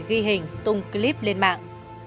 ghi hình tung clip lên mạng